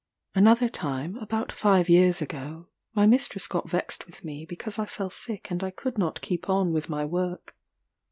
Another time (about five years ago) my mistress got vexed with me, because I fell sick and I could not keep on with my work.